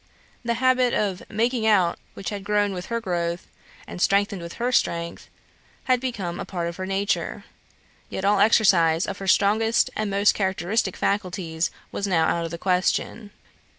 The habit of "making out," which had grown with her growth, and strengthened with her strength, had become a part of her nature. Yet all exercise of her strongest and most characteristic faculties was now out of the question.